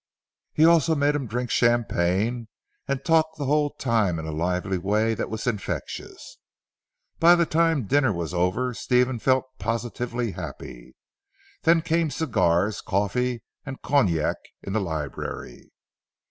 He also made him drink champagne, and talked the whole time in a lively way that was' infectious. By the time dinner was over Stephen felt positively happy. Then came cigars, coffee, and cognac, in the library.